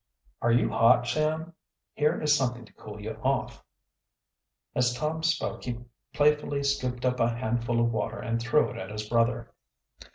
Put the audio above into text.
"Are you hot, Sam? Here is something to cool you off." As Tom spoke he playfully scooped up a handful of water and threw it at his brother.